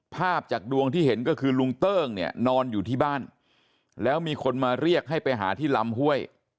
ภาพจากดวงที่เห็นก็คือลุงเติ้งเนี่ยนอนอยู่ที่บ้านแล้วมีคนมาเรียกให้ไปหาที่ลำห้วย